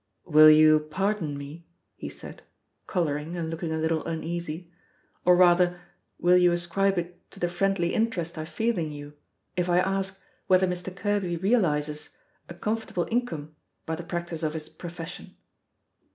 "Will you pardon me?" he said, coloring and looking a little uneasy, "or, rather, will you ascribe it to the friendly interest I feel in you, if I ask whether Mr. Kerby realizes a comfortable income by the practice of his profession?